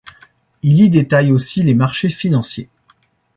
Il y détaille aussi les marchés financiers.